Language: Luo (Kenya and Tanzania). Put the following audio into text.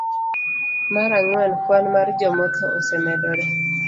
Mar ang'wen, kwan mag jomotho osemedore.